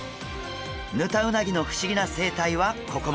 ヌタウナギの不思議な生態はここまで。